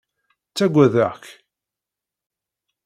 Ttagadeɣ-k.